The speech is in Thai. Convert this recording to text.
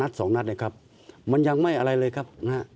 สองนัดนะครับมันยังไม่อะไรเลยครับนะฮะ